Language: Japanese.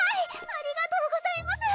ありがとうございます！